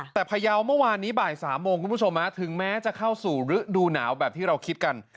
แต่พยาวเมื่อวานนี้บ่าย๓โมงคุณผู้ชมถึงแม้จะเข้าสู่ฤดูหนาวแบบที่เราคิดกัน